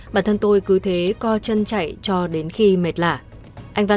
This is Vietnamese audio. bản thân tôi cứ thế co chân chạy cho đến khi mệt lả anh